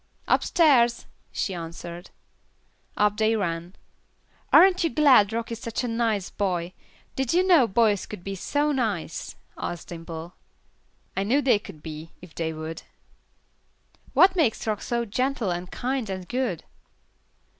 "Upstairs," she answered. Up they ran. "Aren't you glad Rock is such a nice boy? Did you know boys could be so nice?" asked Dimple. "I knew they could be, if they would." "What makes Rock so gentle and kind and good?"